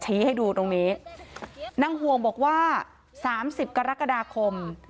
ให้ดูตรงนี้นางห่วงบอกว่าสามสิบกรกฎาคม